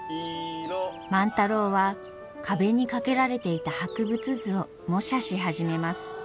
万太郎は壁に掛けられていた博物図を模写し始めます。